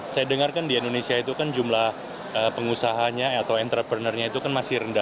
saya dengarkan di indonesia itu kan jumlah pengusahanya atau entrepreneurnya itu kan masih rendah